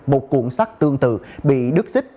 một cuộn xác tương tự bị đứt xích